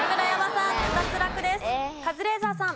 カズレーザーさん。